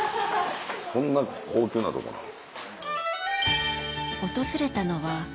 こんな高級なとこなん？